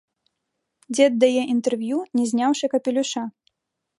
Дзед дае інтэрв'ю, не зняўшы капелюша.